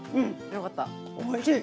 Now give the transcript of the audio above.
よかった。